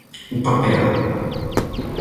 O papel.